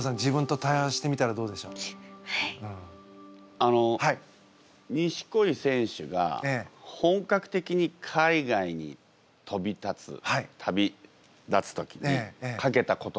あの錦織選手が本格的に海外に飛び立つ旅立つ時にかけた言葉ってありますか？